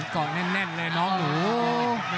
เกาะแน่นเลยน้องหนู